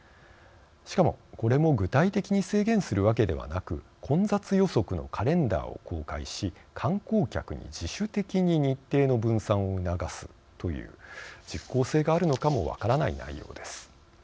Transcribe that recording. しかも、これも具体的に制限するわけではなく混雑予測のカレンダーを公開し観光客に自主的に日程の分散を促すという実効性があるのかも分からない内容です。